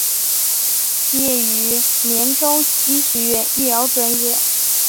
毕业于锦州医学院医疗专业。